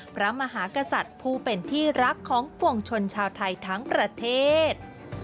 พระมหากษัตริย์ผู้เป็นที่รักของปวงชนชาวไทยทั้งประเทศ